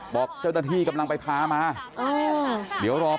อยากจะเห็นว่าลูกเป็นยังไงอยากจะเห็นว่าลูกเป็นยังไง